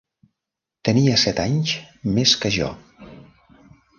Tenia set anys més que jo.